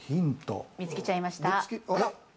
見つけちゃいました。